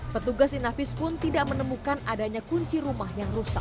petugas inafis pun tidak menemukan adanya kunci rumah yang rusak